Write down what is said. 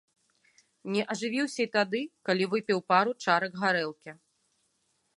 Не ажывіўся і тады, калі выпіў пару чарак гарэлкі.